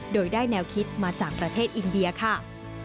โดยได้แนวคิดมาจากประเทศอินเดียค่ะ